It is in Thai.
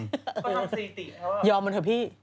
ก็ทำสติติเพราะว่ายอมมันเถอะพี่